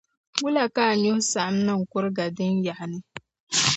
Wula ka a nyuhi saɣam n-niŋ kuriga din yaɣi ni?